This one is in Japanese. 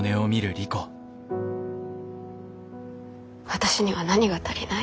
私には何が足りない？